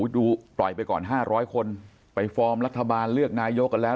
ดูปล่อยไปก่อน๕๐๐คนไปฟอร์มรัฐบาลเลือกนายกกันแล้ว